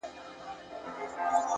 پوهه د انسان تلپاتې ځواک دی